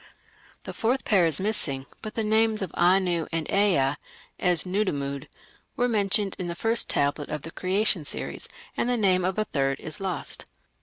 The fourth pair is missing, but the names of Anu and Ea (as Nudimmud) are mentioned in the first tablet of the Creation series, and the name of a third is lost.